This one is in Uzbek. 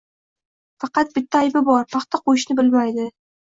Faqat bitta aybi bor: “paxta qo’yish”ni bilmaydi.